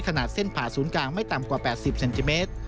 ขนาดเส้นผ่าศูนย์กลางไม่ต่ำกว่า๘๐เซนติเมตร